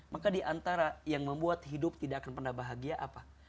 maka diantara yang membuat hidup tidak akan pernah bahagia apa